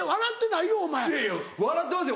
いやいや笑ってますよ。